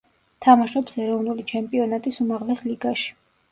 თამაშობს ეროვნული ჩემპიონატის უმაღლეს ლიგაში.